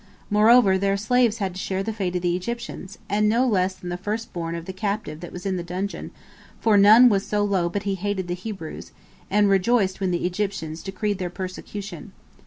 Moreover, their slaves had to share the fate of the Egyptians, and no less the first born of the captive that was in the dungeon, for none was so low but he hated the Hebrews, and rejoiced when the Egyptians decreed their persecution.